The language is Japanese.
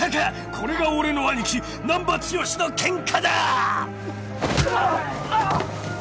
これが俺のアニキ難破剛のケンカだ！